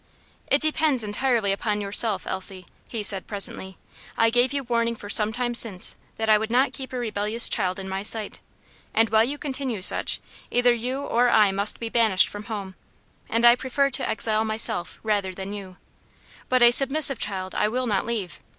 "It depends entirely upon yourself, Elsie," he said presently. "I gave you warning some time since that I would not keep a rebellious child in my sight; and while you continue such, either you or I must be banished from home, and I prefer to exile myself rather than you; but a submissive child I will not leave.